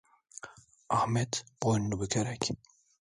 Ahmet boynunu bükerek: